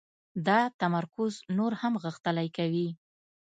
دا تمرکز نور هم غښتلی کوي